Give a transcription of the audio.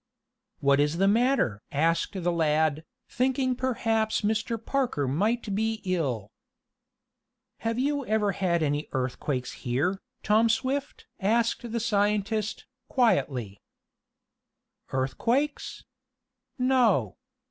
"What is the matter?" asked the lad, thinking perhaps Mr. Parker might be ill. "Have you ever had any earthquakes here, Tom Swift?" asked the scientist, quietly. "Earthquakes? No.